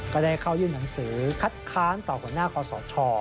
ก็ได้เข้ายื่นหนังสือคัดค้านต่อหัวหน้าคอสช